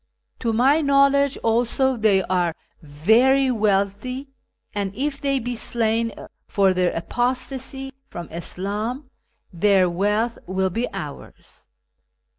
To my knowledge, also, they are very wealthy, and if they be slain for their apostacy from Islam, their wealth will be ours.'